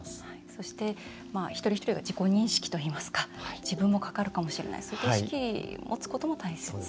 そして一人一人が自己認識といいますか自分もかかるかもしれないそういった意識を持つことも大切と。